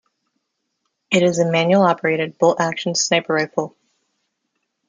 It is a manual operated, bolt action sniper rifle.